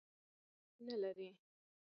دا ځای لکه چې ښاروالي نه لري.